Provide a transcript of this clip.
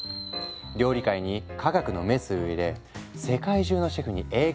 料理界に科学のメスを入れ世界中のシェフに影響を与えた人物だ。